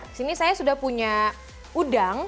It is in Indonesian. disini saya sudah punya udang